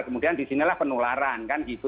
kemudian disinilah penularan kan gitu